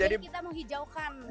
jadi kita mau hijaukan